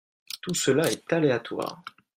Tout cela est aléatoire.